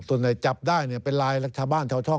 ส่วนใหญ่จับได้เป็นลายชาวบ้านชาวช่อง